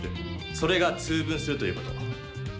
それが「通分」するということ。